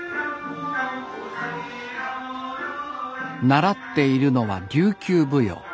習っているのは琉球舞踊。